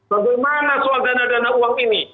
bagaimana soal dana dana uang ini